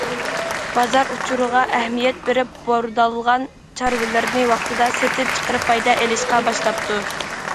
بازار ئۇچۇرىغا ئەھمىيەت بېرىپ، بوردالغان چارۋىلىرىنى ۋاقتىدا سېتىپ چىقىرىپ پايدا ئېلىشقا باشلاپتۇ.